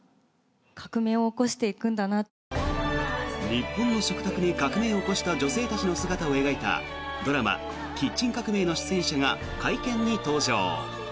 日本の食卓に革命を起こした女性たちの姿を描いたドラマ「キッチン革命」の出演者が会見に登場。